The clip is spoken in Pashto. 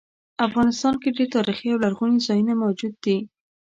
افغانستان کې ډیر تاریخي او لرغوني ځایونه موجود دي